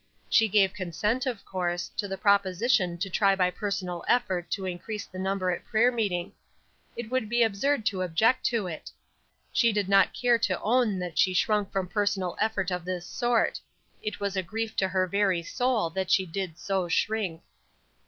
She gave consent, of course, to the proposition to try by personal effort to increase the number at prayer meeting. It would be absurd to object to it. She did not care to own that she shrunk from personal effort of this sort; it was a grief to her very soul that she did so shrink.